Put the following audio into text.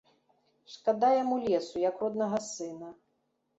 Шкада яму лесу, як роднага сына.